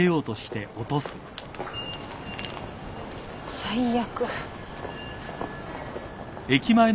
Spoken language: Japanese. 最悪。